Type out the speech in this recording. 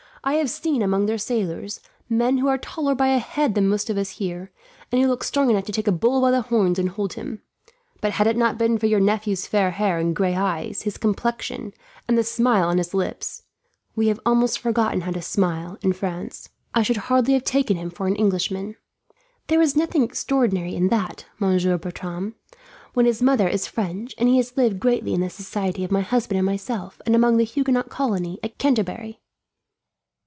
"I have seen, among their sailors, men who are taller by a head than most of us here, and who look strong enough to take a bull by the horns and hold him. But had it not been for your nephew's fair hair and gray eyes, his complexion, and the smile on his lips we have almost forgotten how to smile, in France I should hardly have taken him for an Englishman." "There is nothing extraordinary in that, Monsieur Bertram, when his mother is French, and he has lived greatly in the society of my husband and myself, and among the Huguenot colony at Canterbury."